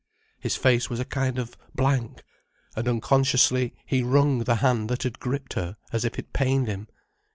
His face was a kind of blank, and unconsciously he wrung the hand that had gripped her, as if it pained him.